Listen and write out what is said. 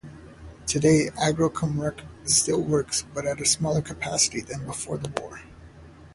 Today Agrokomerc still works but at a smaller capacity than before the war.